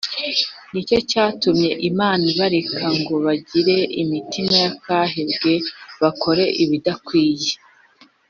ni cyo cyatumye Imana ibareka ngo bagire imitima yabaye akahebwe bakora ibidakwiriye.